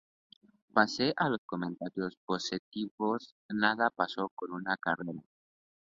Pese a los comentarios positivos, nada pasó con su carrera.